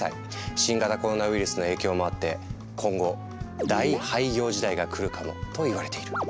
新型コロナウイルスの影響もあって今後大廃業時代が来るかもといわれている。